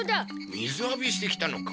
水浴びしてきたのか？